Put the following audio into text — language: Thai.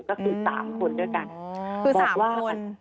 ก็คือ๓คนด้วยกัน